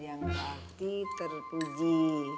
yang berarti terpuji